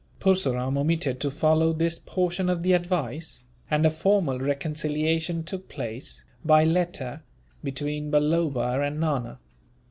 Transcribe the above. Purseram omitted to follow this portion of the advice, and a formal reconciliation took place, by letter, between Balloba and Nana.